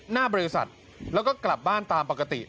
หน้าบริษัทแล้วก็กลับบ้านตามปกติ